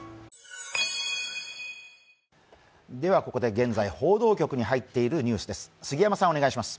ここで現在報道局に入っているニュースです。